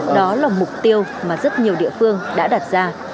đó là mục tiêu mà rất nhiều địa phương đã đặt ra